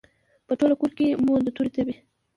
په ټوله کورکې کې مو د تورې تبې،